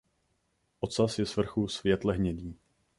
Ocas je svrchu světle hnědý.